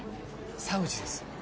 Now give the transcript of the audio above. サウジです